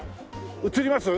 映ります？